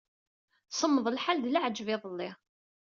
Semmeḍ lḥal d leɛǧeb iḍelli.